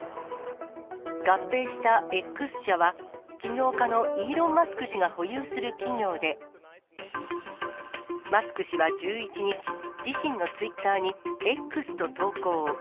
合併したＸ社は、起業家のイーロン・マスク氏が保有する企業で、マスク氏は１１日、自身のツイッターに、Ｘと投稿。